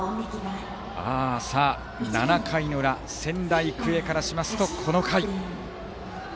７回の裏、仙台育英からするとこの回。